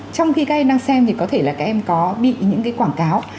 trong khi các em đang xem thì có thể là các em có bị những cái quảng cáo